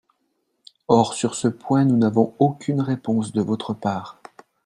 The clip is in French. Or sur ce point nous n’avons aucune réponse de votre part.